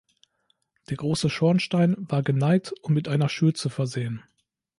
Der große Schornstein war geneigt und mit einer Schürze versehen.